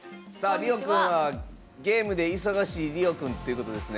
りおくんはゲームで忙しいりおくんということですね。